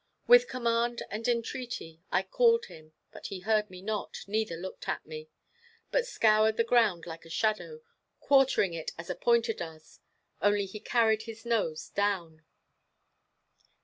With command and entreaty I called him, but he heard me not, neither looked at me; but scoured the ground like a shadow, quartering it as a pointer does, only he carried his nose down.